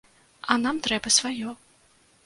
А нам трэба сваё.